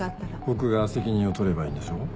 僕が責任を取ればいいんでしょ？